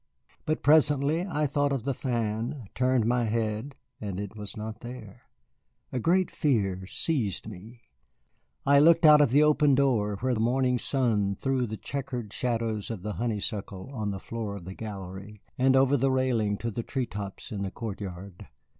But presently I thought of the fan, turned my head, and it was not there. A great fear seized me. I looked out of the open door where the morning sun threw the checkered shadows of the honeysuckle on the floor of the gallery, and over the railing to the tree tops in the court yard.